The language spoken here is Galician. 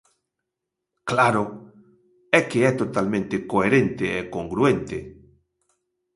¡Claro!, é que é totalmente coherente e congruente.